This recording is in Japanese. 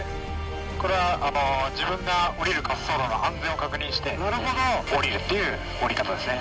これは自分が降りる滑走路の安全を確認して降りるという降り方ですね。